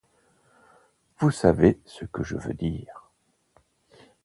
Vous savez ce que je veux dire.